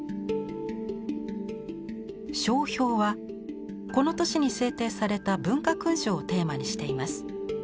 「章表」はこの年に制定された文化勲章をテーマにしています。